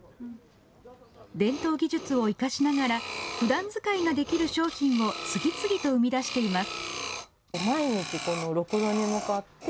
伝統技術を生かしながらふだん使いができる商品を次々と生み出しています。